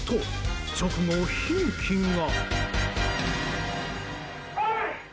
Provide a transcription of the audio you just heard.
直後、悲劇が。